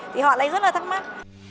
thì họ lại rất là thắc mắc